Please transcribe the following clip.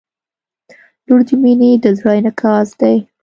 • لور د مینې د زړه انعکاس دی.